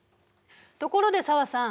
ところで紗和さん